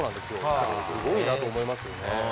だから、すごいなと思いますよね。